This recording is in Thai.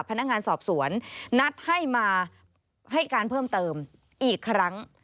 พนักงานสอบสวนนัดให้มาให้การเพิ่มเติมอีกครั้ง